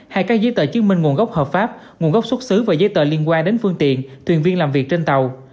hay các giấy tờ chứng minh nguồn gốc hợp pháp nguồn gốc xuất xứ và giấy tờ liên quan đến phương tiện thuyền viên làm việc trên tàu